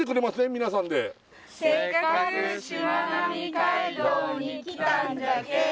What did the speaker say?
皆さんで「せっかくしまなみ海道に来たんじゃけぇ」